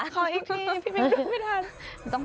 ขออีกทีพี่มิวรู้ไม่ทัน